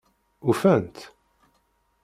Ufan-tt?